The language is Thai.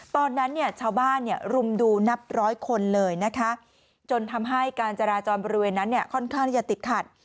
ตอนนั้นชาวบ้านรุมดูนับร้อยคนเลยจนทำให้การจราจรบริเวณนั้นค่อนข้างจะติดขัด